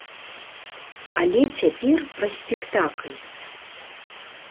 Але цяпер пра спектакль.